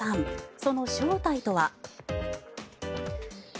その正体とは。